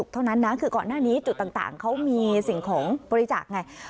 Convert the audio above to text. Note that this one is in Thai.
เท่านั้นนะคือก่อนหน้านี้จุดต่างเขามีสิ่งของบริจาคไง